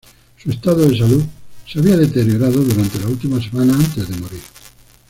Su estado de salud se había deteriorado durante la última semana antes de morir.